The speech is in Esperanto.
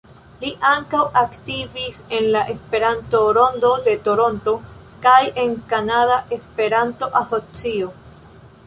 Li ankaŭ aktivis en la Esperanto-Rondo de Toronto kaj en Kanada Esperanto-Asocio.